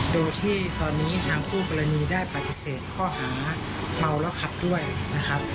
โดยที่ตอนนี้ทางคู่กรณีได้ปฏิเสธข้อหาเมาแล้วขับด้วยนะครับ